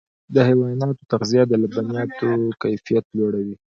د حیواناتو تغذیه د لبنیاتو کیفیت لوړوي.